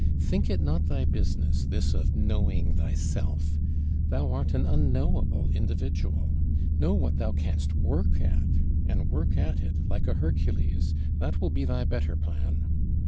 Think it not thy business, this of knowing thyself; thou art an unknowable individual: know what thou canst work at; and work at it like a Hercules! That will be thy better plan.